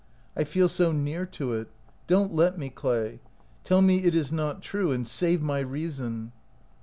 I feel so near to it. Don't let me, Clay. Tell me it is not true, and save my reason."